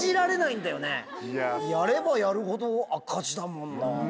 やればやるほど赤字だもんな。